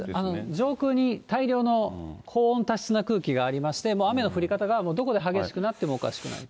上空に大量の高温多湿な空気がありまして、もう雨の降り方がどこで激しくなってもおかしくないと。